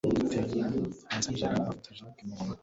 hanze angella afata jack mumaboko